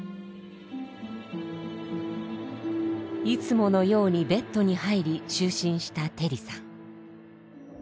いつものようにベッドに入り就寝したテリさん。